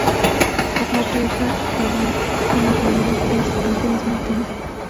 Formó pareja radial con la primera actriz Ángeles Martínez.